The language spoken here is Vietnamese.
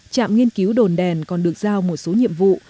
trạm nghiên cứu đồn đèn còn được giao một số nhiệm vụ